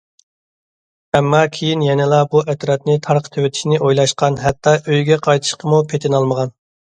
ئەمما كېيىن يەنىلا بۇ ئەترەتنى تارقىتىۋېتىشنى ئويلاشقان ھەتتا ئۆيىگە قايتىشقىمۇ پېتىنالمىغان.